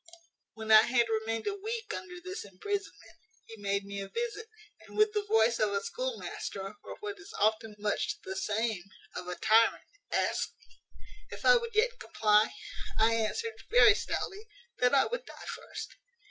"When I had remained a week under this imprisonment, he made me a visit, and, with the voice of a schoolmaster, or, what is often much the same, of a tyrant, asked me, `If I would yet comply?' I answered, very stoutly, `That I would die first.'